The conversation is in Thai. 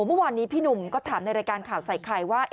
เมื่อวานนี้พี่หนุ่มก็ถามในรายการข่าวใส่ไข่ว่า